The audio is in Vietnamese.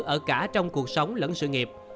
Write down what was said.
ở cả trong cuộc sống lẫn sự nghiệp